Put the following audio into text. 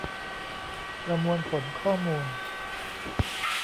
ประมวลผลข้อมูล